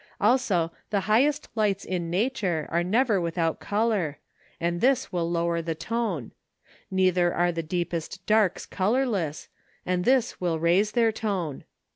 Also, the highest lights in nature are never without colour, and this will lower the tone; neither are the deepest darks colourless, and this will raise their tone.